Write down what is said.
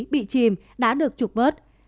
bị chìm đã được trục vớt